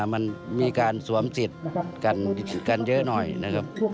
มันมีการสวมสิทธิ์กันเยอะหน่อยนะครับ